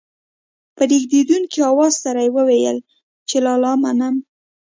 په رېږېدونکي اواز سره يې وويل چې لالا منم.